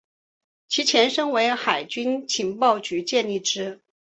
其前身为海军情报局建立之。